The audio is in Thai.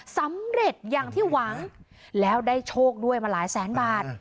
สำเร็จอย่างที่หวังแล้วได้โชคด้วยมาหลายแสนบาท